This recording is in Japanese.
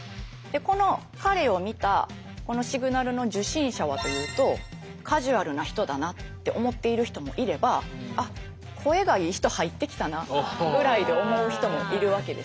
でこの彼を見たこのシグナルの受信者はというとカジュアルな人だなって思っている人もいればあっ声がいい人入ってきたなぐらいで思う人もいるわけですよね。